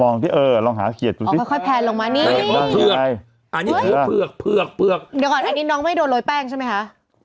นี่น้องไม่โดนโรยแป้งใช่มั้ยคะ